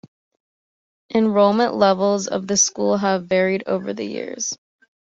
Enrollment levels of the school have varied over the years.